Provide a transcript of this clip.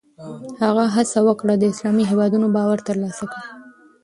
هغه هڅه وکړه د اسلامي هېوادونو باور ترلاسه کړي.